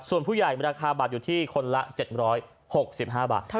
ส่วนผู้ใหญ่ราคาบัตรอยู่ที่คนละ๗๖๕บาท